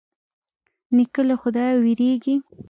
نیکه له خدايه وېرېږي.